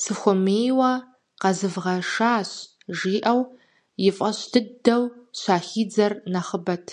Сыхуэмейуэ къэзывгъэшащ! - жиӏэу, и фӏэщ дыдэу щахидзэр нэхъыбэт.